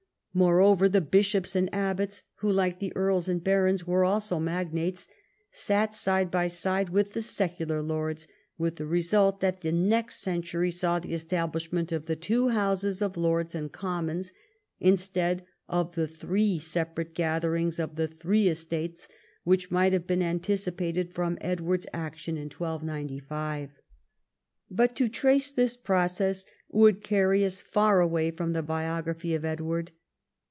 Meanwhile the bishops and abbots, who, like the earls and barons, were also magnates, sat side by side with the secular lords, Avith the result that the next century saw the establishment of the two houses of Lords and Commons, instead of the three separate gatherings of the three estates which might have been anticipated from Edward's action in 1295. But to trace this process would carry us far away from the biography of Edward.